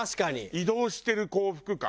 移動してる幸福感。